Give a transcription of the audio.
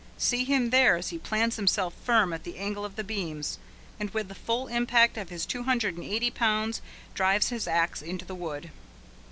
See him there as he plants himself firm at the angle of the beams, and with the full impact of his two hundred and eighty pounds drives his axe into the wood!